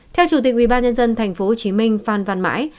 theo chủ tịch ubnd tp hcm phan văn mãi